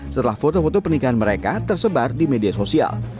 setelah foto foto pernikahan mereka tersebar di media sosial